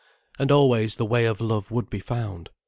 And always the way of love would be found.